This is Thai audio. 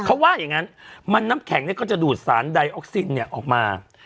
เขาว่าอย่างนั้นมันน้ำแข็งเนี่ยก็จะดูดสารไดออกซินเนี่ยออกมา